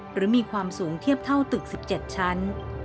หรือมีความสูงเทียบเท่าตึก๑๗ชั้น